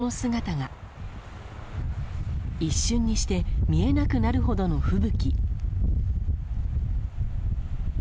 歩く人の姿が、一瞬にして見えなくなるほどの吹雪。